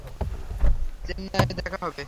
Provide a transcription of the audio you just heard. চেন্নাইয়ে দেখা হবে।